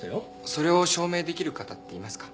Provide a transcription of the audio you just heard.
それを証明できる方っていますか？